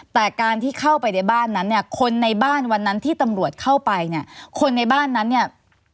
แต่การที่เข้าไปในบ้านนั้นเนี่ยคนในบ้านวันนั้นที่ตำรวจเข้าไปเนี่ยคนในบ้านนั้นเนี่ย